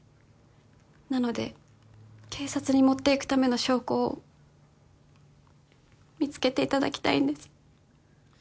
なので警察に持っていくための証拠を見つけていただきたいんです。